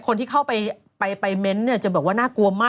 คนที่เข้าไปเม้นต์เนี่ยจะบอกว่าน่ากลัวมาก